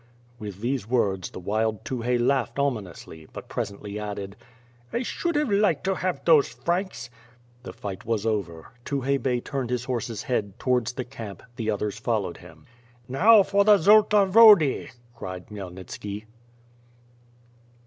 With these words, the wild Tukhay laughed ominously, but presently added: "I should have liked to have those Tranks.' " The fight was over. Tukhay Bey turned his horse's head towards the camp, the others followed him. "Now, for the Zolta Wody," cried Khmyelnitski.